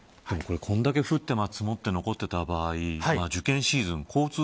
これだけ降って積もって、残ってた場合受験シーズン